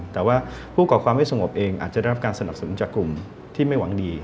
แต่ว่าผู้ก่อความไม่สงบเองอาจจะได้รับการสนับสนุนจากกลุ่มที่ไม่หวังดี